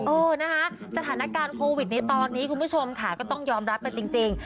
เออนะคะสถานการณ์โควิดในตอนนี้คุณผู้ชมค่ะก็ต้องยอมรับไปจริง